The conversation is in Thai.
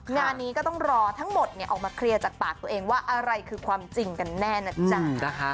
งานนี้ก็ต้องรอทั้งหมดออกมาเคลียร์จากปากตัวเองว่าอะไรคือความจริงกันแน่นะจ๊ะ